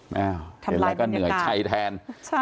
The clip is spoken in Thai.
เห็นแล้วก็เหนื่อยใจแทน